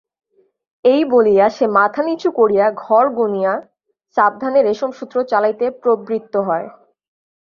এই বলিয়া সে মাথা নিচু করিয়া ঘর গণিয়া সাবধানে রেশমসূত্র চালাইতে প্রবৃত্ত হয়।